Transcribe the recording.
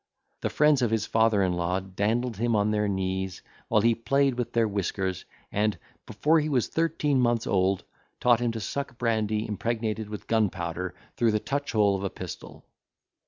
The friends of his father in law dandled him on their knees, while he played with their whiskers, and, before he was thirteen months old, taught him to suck brandy impregnated with gunpowder, through the touch hole of a pistol.